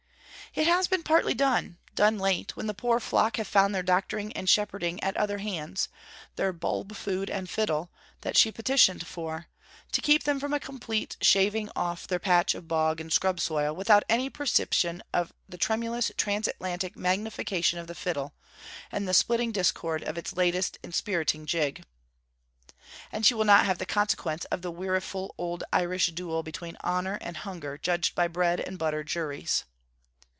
It has been partly done, done late, when the poor flock have found their doctoring and shepherding at other hands: their 'bulb food and fiddle,' that she petitioned for, to keep them from a complete shaving off their patch of bog and scrub soil, without any perception of the tremulous transatlantic magnification of the fiddle, and the splitting discord of its latest inspiriting jig. And she will not have the consequences of the 'weariful old Irish duel between Honour and Hunger judged by bread and butter juries.'